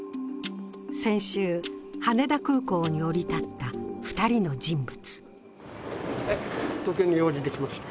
先週、羽田空港に降り立った２人の人物。